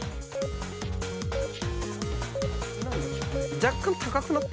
若干高くなった？